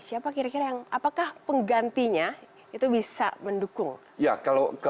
siapa kira kira yang apakah penggantinya itu bisa mendukung